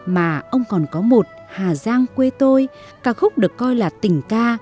mà ông còn có một hà giang quê tôi ca khúc được coi là tình ca